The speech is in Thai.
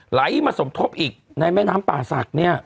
ไหลมาสมทบอีกในแม่น้ำป่าศักดิ์เนี่ย